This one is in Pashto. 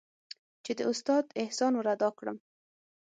چې د استاد احسان ورادا كړم.